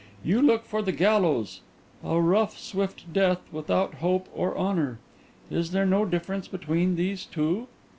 You look for the gallows; a rough, swift death, without hope or honour. Is there no difference between these two?"